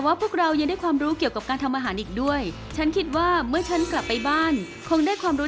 มั้งลินคุณมีอะไรจะพูดไหม